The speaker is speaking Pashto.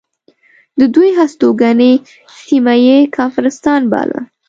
د دوی هستوګنې سیمه یې کافرستان باله.